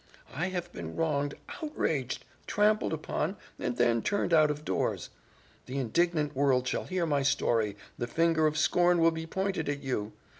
I have been wronged, outraged, trampled upon, and then turned out of doors. The indignant world shall hear my story, the finger of scorn will be pointed at you.